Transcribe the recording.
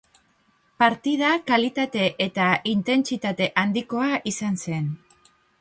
Partida kalitate eta intentsitate handikoa izan zen.